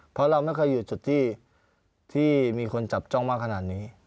เพราะเราไม่เคยอยู่จุดที่มีคนจับจ้องมากขนาดนี้